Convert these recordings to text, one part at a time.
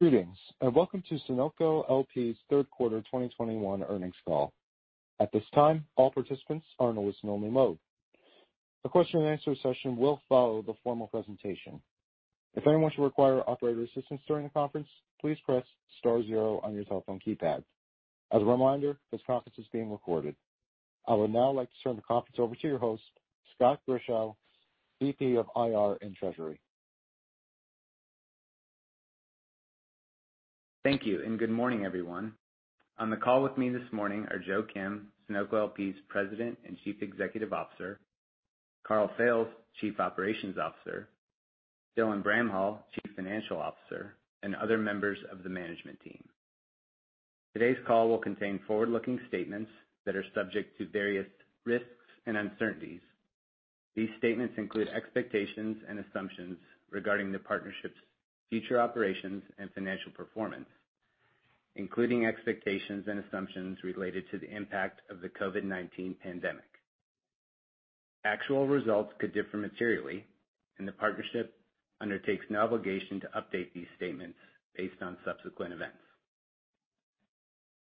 Greetings, and welcome to Sunoco LP's third quarter 2021 earnings call. At this time, all participants are in a listen only mode. A question-and-answer session will follow the formal presentation. If anyone should require operator assistance during the conference, please press star zero on your telephone keypad. As a reminder, this conference is being recorded. I would now like to turn the conference over to your host, Scott Grischow, VP of IR and Treasury. Thank you, and good morning, everyone. On the call with me this morning are Joe Kim, Sunoco LP's President and Chief Executive Officer, Karl Fails, Chief Operations Officer, Dylan Bramhall, Chief Financial Officer, and other members of the management team. Today's call will contain forward-looking statements that are subject to various risks and uncertainties. These statements include expectations and assumptions regarding the partnership's future operations and financial performance, including expectations and assumptions related to the impact of the COVID-19 pandemic. Actual results could differ materially, and the partnership undertakes no obligation to update these statements based on subsequent events.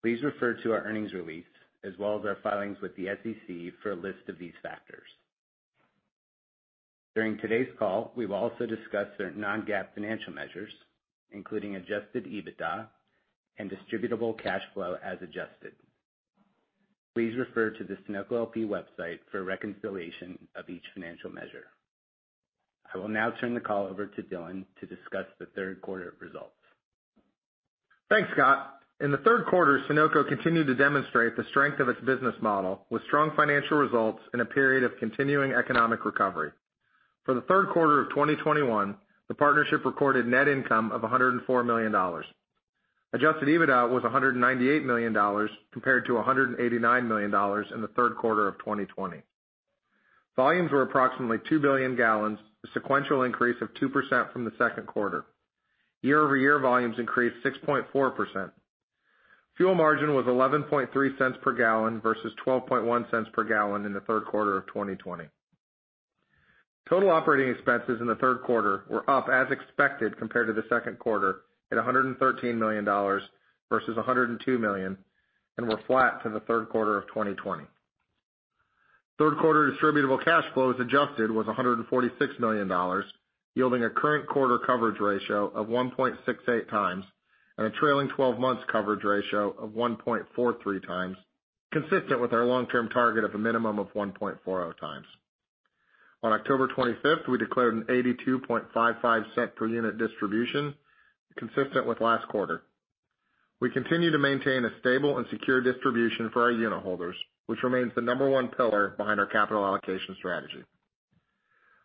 Please refer to our earnings release as well as our filings with the SEC for a list of these factors. During today's call, we've also discussed our non-GAAP financial measures, including adjusted EBITDA and distributable cash flow as adjusted. Please refer to the Sunoco LP website for a reconciliation of each financial measure. I will now turn the call over to Dylan to discuss the third quarter results. Thanks, Scott. In the third quarter, Sunoco continued to demonstrate the strength of its business model with strong financial results in a period of continuing economic recovery. For the third quarter of 2021, the partnership recorded net income of $104 million. Adjusted EBITDA was $198 million compared to $189 million in the third quarter of 2020. Volumes were approximately 2 billion gallons, a sequential increase of 2% from the second quarter. Year-over-year volumes increased 6.4%. Fuel margin was $11.3 per gallon versus $12.1 per gallon in the third quarter of 2020. Total operating expenses in the third quarter were up as expected compared to the second quarter at $113 million versus $102 million, and were flat to the third quarter of 2020. Third quarter distributable cash flow as adjusted was $146 million, yielding a current quarter coverage ratio of 1.68 times and a trailing 12 months coverage ratio of 1.43x, consistent with our long-term target of a minimum of 1.40x. On October 25th, we declared an $0.8255 per unit distribution consistent with last quarter. We continue to maintain a stable and secure distribution for our unit holders, which remains the number one pillar behind our capital allocation strategy.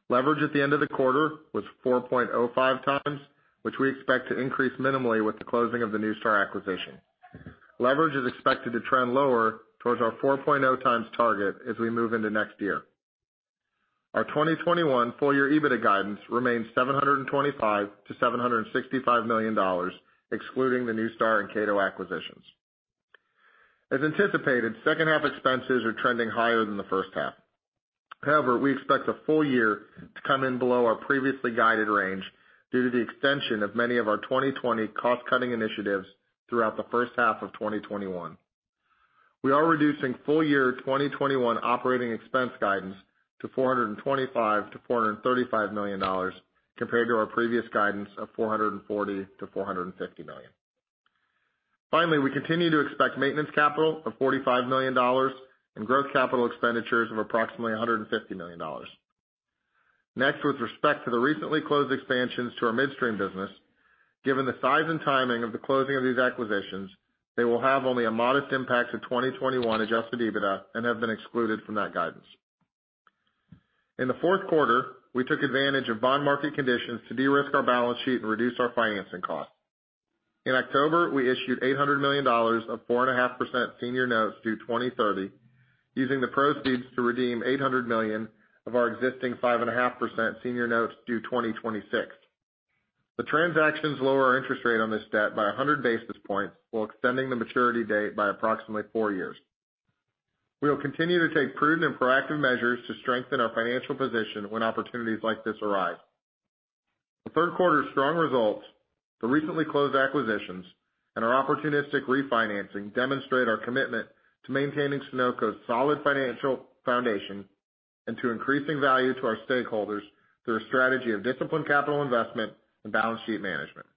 Leverage at the end of the quarter was 4.05x, which we expect to increase minimally with the closing of the NuStar acquisition. Leverage is expected to trend lower towards our 4.0x target as we move into next year. Our 2021 full year EBITDA guidance remains $725 million-$765 million, excluding the NuStar and Cato acquisitions. As anticipated, second half expenses are trending higher than the first half. However, we expect the full year to come in below our previously guided range due to the extension of many of our 2020 cost-cutting initiatives throughout the first half of 2021. We are reducing full year 2021 operating expense guidance to $425 million-$435 million compared to our previous guidance of $440 million-$450 million. Finally, we continue to expect maintenance capital of $45 million and growth capital expenditures of approximately $150 million. Next, with respect to the recently closed expansions to our midstream business, given the size and timing of the closing of these acquisitions, they will have only a modest impact to 2021 adjusted EBITDA and have been excluded from that guidance. In the fourth quarter, we took advantage of bond market conditions to de-risk our balance sheet and reduce our financing cost. In October, we issued $800 million of 4.5% senior notes due 2030, using the proceeds to redeem $800 million of our existing 5.5% senior notes due 2026. The transactions lower our interest rate on this debt by 100 basis points while extending the maturity date by approximately four years. We will continue to take prudent and proactive measures to strengthen our financial position when opportunities like this arise. The third quarter's strong results, the recently closed acquisitions, and our opportunistic refinancing demonstrate our commitment to maintaining Sunoco's solid financial foundation and to increasing value to our stakeholders through a strategy of disciplined capital investment and balance sheet management.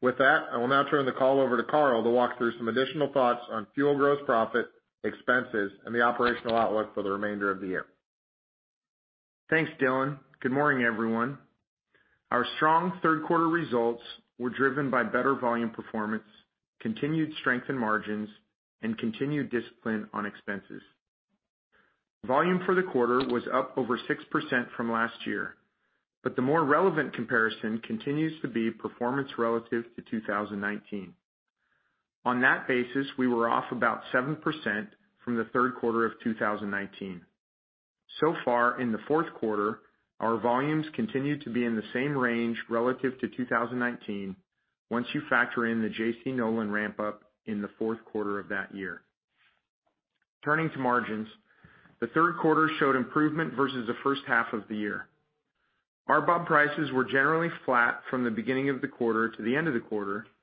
With that, I will now turn the call over to Karl to walk through some additional thoughts on fuel gross profit, expenses, and the operational outlook for the remainder of the year. Thanks, Dylan. Good morning, everyone. Our strong third quarter results were driven by better volume performance, continued strength in margins, and continued discipline on expenses. Volume for the quarter was up over 6% from last year, but the more relevant comparison continues to be performance relative to 2019. On that basis, we were off about 7% from the third quarter of 2019. So far in the fourth quarter, our volumes continue to be in the same range relative to 2019 once you factor in the J.C. Nolan ramp up in the fourth quarter of that year. Turning to margins, the third quarter showed improvement versus the first half of the year. Our bump prices were generally flat from the beginning of the quarter to the end of the quarter, but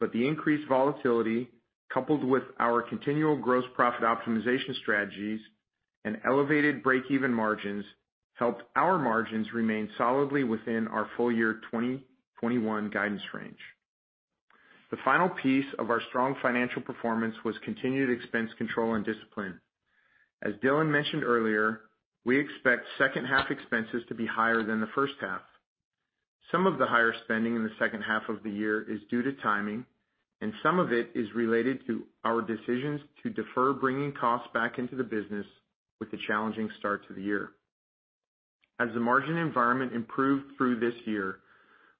the increased volatility, coupled with our continual gross profit optimization strategies and elevated breakeven margins, helped our margins remain solidly within our full year 2021 guidance range. The final piece of our strong financial performance was continued expense control and discipline. As Dylan mentioned earlier, we expect second half expenses to be higher than the first half. Some of the higher spending in the second half of the year is due to timing, and some of it is related to our decisions to defer bringing costs back into the business with the challenging starts of the year. As the margin environment improved through this year,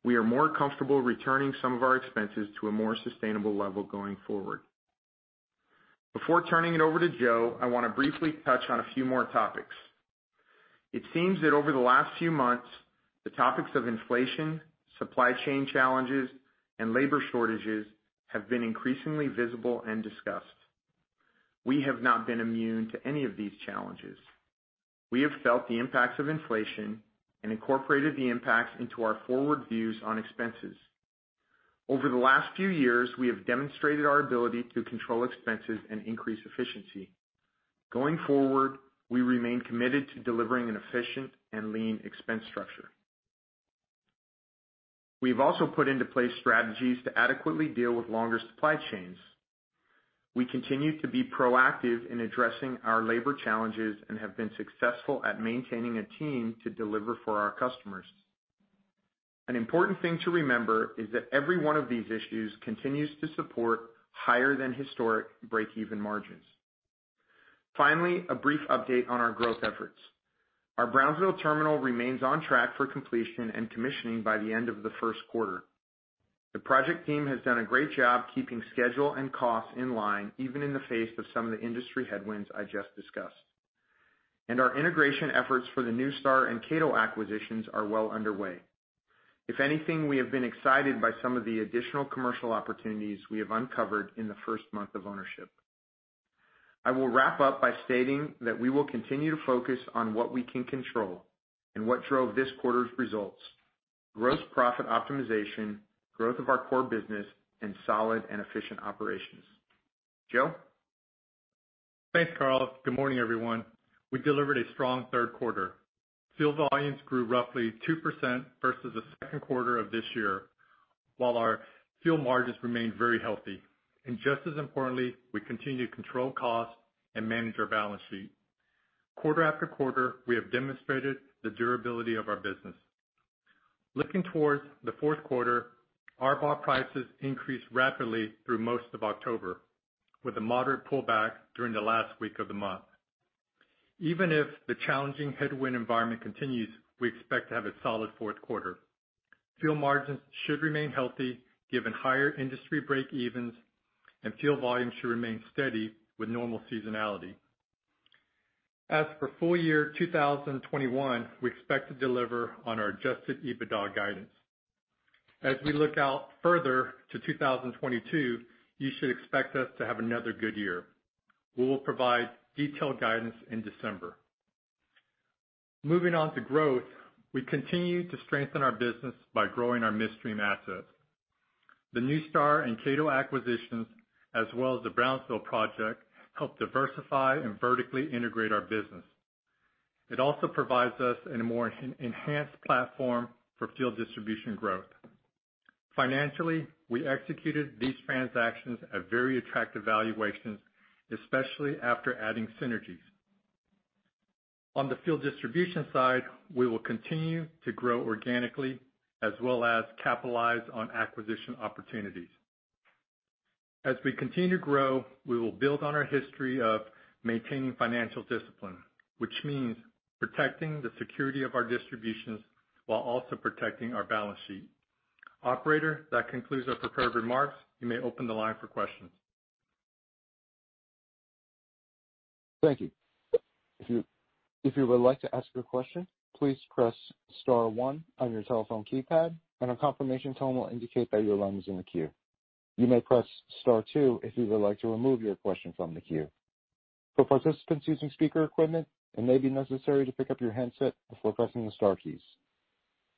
we are more comfortable returning some of our expenses to a more sustainable level going forward. Before turning it over to Joe, I wanna briefly touch on a few more topics. It seems that over the last few months, the topics of inflation, supply chain challenges, and labor shortages have been increasingly visible and discussed. We have not been immune to any of these challenges. We have felt the impacts of inflation and incorporated the impacts into our forward views on expenses. Over the last few years, we have demonstrated our ability to control expenses and increase efficiency. Going forward, we remain committed to delivering an efficient and lean expense structure. We've also put into place strategies to adequately deal with longer supply chains. We continue to be proactive in addressing our labor challenges and have been successful at maintaining a team to deliver for our customers. An important thing to remember is that every one of these issues continues to support higher than historic breakeven margins. Finally, a brief update on our growth efforts. Our Brownsville terminal remains on track for completion and commissioning by the end of the first quarter. The project team has done a great job keeping schedule and costs in line, even in the face of some of the industry headwinds I just discussed. Our integration efforts for the NuStar and Cato acquisitions are well underway. If anything, we have been excited by some of the additional commercial opportunities we have uncovered in the first month of ownership. I will wrap up by stating that we will continue to focus on what we can control and what drove this quarter's results, gross profit optimization, growth of our core business, and solid and efficient operations. Joe? Thanks, Karl. Good morning, everyone. We delivered a strong third quarter. Fuel volumes grew roughly 2% versus the second quarter of this year, while our fuel margins remained very healthy. Just as importantly, we continued to control costs and manage our balance sheet. Quarter after quarter, we have demonstrated the durability of our business. Looking towards the fourth quarter, our spot prices increased rapidly through most of October, with a moderate pullback during the last week of the month. Even if the challenging headwind environment continues, we expect to have a solid fourth quarter. Fuel margins should remain healthy given higher industry breakevens, and fuel volumes should remain steady with normal seasonality. As for full year 2021, we expect to deliver on our adjusted EBITDA guidance. As we look out further to 2022, you should expect us to have another good year. We will provide detailed guidance in December. Moving on to growth, we continue to strengthen our business by growing our midstream assets. The NuStar and Cato acquisitions, as well as the Brownsville project, help diversify and vertically integrate our business. It also provides us a more enhanced platform for fuel distribution growth. Financially, we executed these transactions at very attractive valuations, especially after adding synergies. On the fuel distribution side, we will continue to grow organically as well as capitalize on acquisition opportunities. As we continue to grow, we will build on our history of maintaining financial discipline, which means protecting the security of our distributions while also protecting our balance sheet. Operator, that concludes our prepared remarks. You may open the line for questions. Thank you. If you would like to ask a question, please press star one on your telephone keypad, and a confirmation tone will indicate that your line is in the queue. You may press star two if you would like to remove your question from the queue. For participants using speaker equipment, it may be necessary to pick up your handset before pressing the star keys.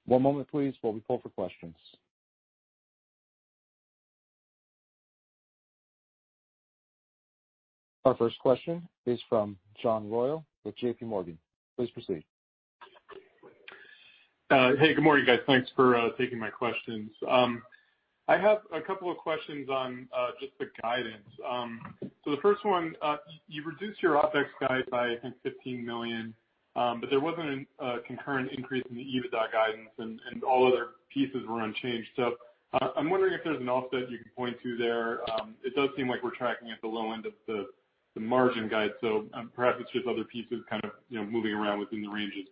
One moment please while we poll for questions. Our first question is from John Royall with JPMorgan. Please proceed. Hey, good morning, guys. Thanks for taking my questions. I have a couple of questions on just the guidance. The first one, you reduced your OpEx guide by $15 million, but there wasn't a concurrent increase in the EBITDA guidance and all other pieces were unchanged. I'm wondering if there's an offset you can point to there. It does seem like we're tracking at the low end of the margin guide, so perhaps it's just other pieces kind of, you know, moving around within the ranges.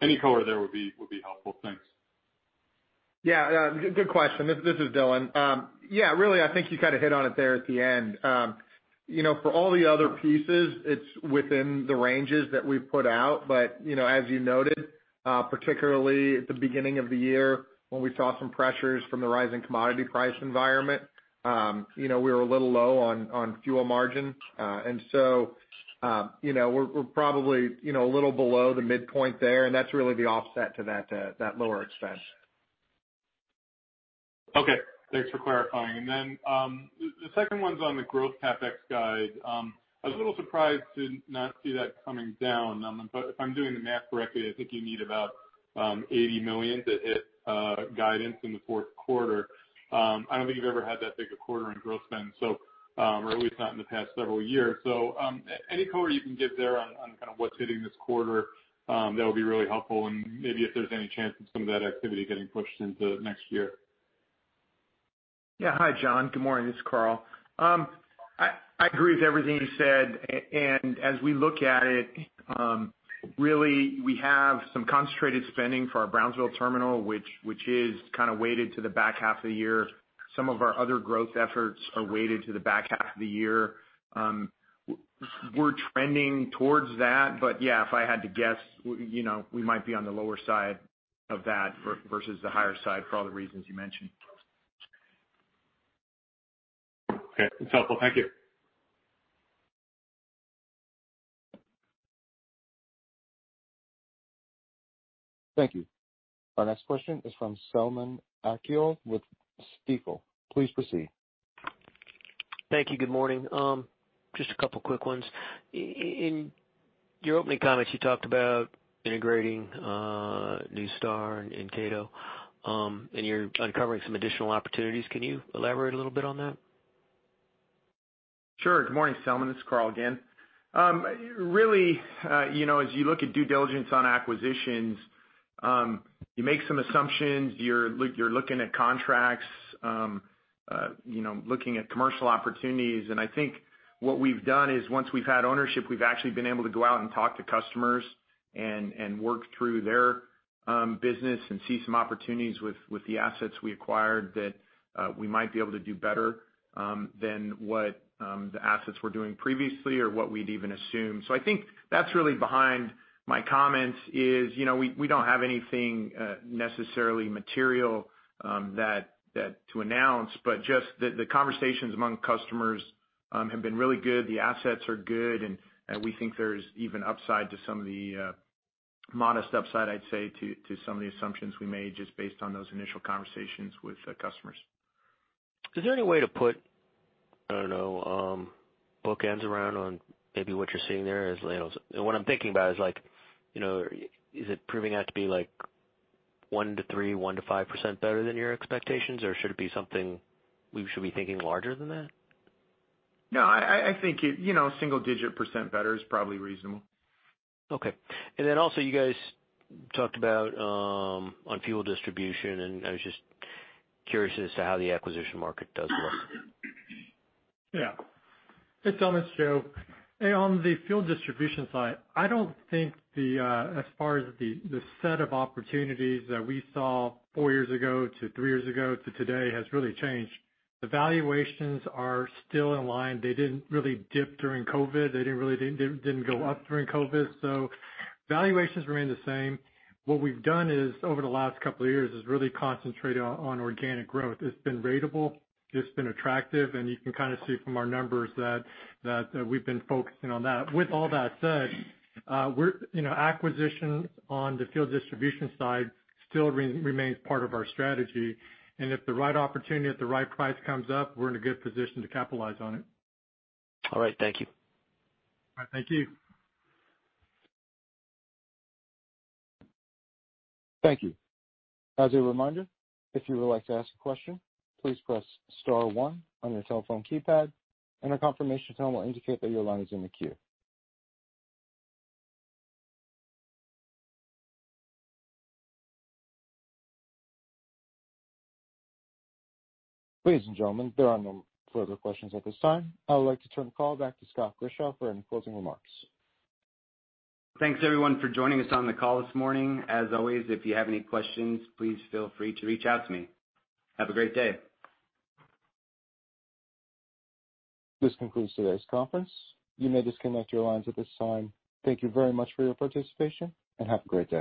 Any color there would be helpful. Thanks. Yeah. Good question. This is Dylan. Yeah, really, I think you kinda hit on it there at the end. You know, for all the other pieces, it's within the ranges that we've put out. You know, as you noted. Particularly at the beginning of the year when we saw some pressures from the rising commodity price environment. You know, we were a little low on fuel margin. You know, we're probably, you know, a little below the midpoint there, and that's really the offset to that lower expense. Okay. Thanks for clarifying. The second one's on the growth CapEx guide. I was a little surprised to not see that coming down. If I'm doing the math correctly, I think you need about $80 million to hit guidance in the fourth quarter. I don't think you've ever had that big a quarter in growth spend, so, or at least not in the past several years. Any color you can give there on kind of what's hitting this quarter that would be really helpful and maybe if there's any chance of some of that activity getting pushed into next year. Yeah. Hi, John. Good morning. This is Karl. I agree with everything you said. As we look at it, really we have some concentrated spending for our Brownsville terminal, which is kinda weighted to the back half of the year. Some of our other growth efforts are weighted to the back half of the year. We're trending towards that but yeah, if I had to guess, you know, we might be on the lower side of that versus the higher side for all the reasons you mentioned. Okay, that's helpful. Thank you. Thank you. Our next question is from Selman Akyol with Stifel. Please proceed. Thank you. Good morning. Just a couple quick ones. In your opening comments you talked about integrating NuStar and Cato, and you're uncovering some additional opportunities. Can you elaborate a little bit on that? Sure. Good morning, Selman, this is Karl again. Really, you know, as you look at due diligence on acquisitions, you make some assumptions. You're looking at contracts, you know, looking at commercial opportunities. I think what we've done is once we've had ownership, we've actually been able to go out and talk to customers and work through their business and see some opportunities with the assets we acquired that we might be able to do better than what the assets were doing previously or what we'd even assumed. I think that's really behind my comments is, you know, we don't have anything necessarily material that to announce, but just the conversations among customers have been really good. The assets are good and we think there's even upside to some of the modest upside, I'd say, to some of the assumptions we made just based on those initial conversations with the customers. Is there any way to put, I don't know, bookends around on maybe what you're seeing there as landfills? What I'm thinking about is like, you know, is it proving out to be like 1-3, 1-5% better than your expectations, or should it be something we should be thinking larger than that? No, I think it, you know, single-digit percent better is probably reasonable. Okay. Also you guys talked about on fuel distribution, and I was just curious as to how the acquisition market does look. Yeah. Hey, Selman, it's Joe. On the fuel distribution side, I don't think the as far as the set of opportunities that we saw four years ago to three years ago to today has really changed. The valuations are still in line. They didn't really dip during COVID. They didn't really go up during COVID. Valuations remain the same. What we've done is, over the last couple of years, is really concentrated on organic growth. It's been ratable, it's been attractive, and you can kind of see from our numbers that we've been focusing on that. With all that said, we're, you know, acquisition on the fuel distribution side still remains part of our strategy, and if the right opportunity at the right price comes up, we're in a good position to capitalize on it. All right. Thank you. All right. Thank you. Thank you. As a reminder, if you would like to ask a question, please press star one on your telephone keypad and a confirmation tone will indicate that your line is in the queue. Ladies and gentlemen, there are no further questions at this time. I would like to turn the call back to Scott Grischow for any closing remarks. Thanks, everyone, for joining us on the call this morning. As always, if you have any questions, please feel free to reach out to me. Have a great day. This concludes today's conference. You may disconnect your lines at this time. Thank you very much for your participation, and have a great day.